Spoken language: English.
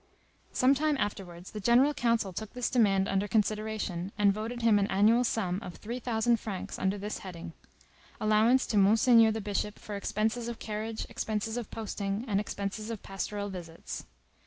Some time afterwards the General Council took this demand under consideration, and voted him an annual sum of three thousand francs, under this heading: _Allowance to M. the Bishop for expenses of carriage, expenses of posting, and expenses of pastoral visits.